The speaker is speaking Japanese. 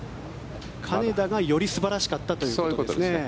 金田がより素晴らしかったということですね。